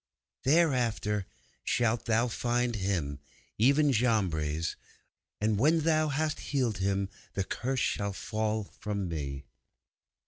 'Thereafter shalt thou find Him, even Jambres. And when thou hast healed him the Curse shall fall from me!